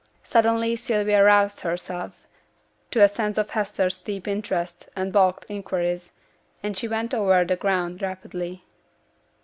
Suddenly Sylvia roused herself to a sense of Hester's deep interest and balked inquiries, and she went over the ground rapidly.